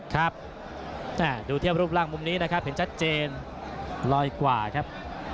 ครับดูเทียบรูปร่างมุมนี้นะครับเห็นชัดเจนลอยกว่าครับ